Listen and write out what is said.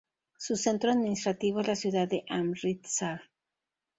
Su centro administrativo es la ciudad de Amritsar.